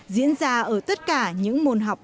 diễn ra ở tất cả những môn học